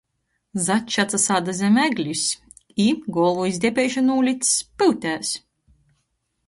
Začs atsasāda zam eglis i, golvu iz depeišu nūlics, pyutēs.